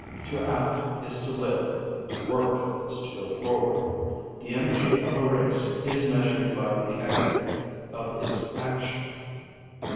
To act is to live; to work is to go forward. The energy of a race is measured by the aggregate of its action.